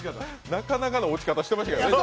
なかなかの落ち方してましたもんね。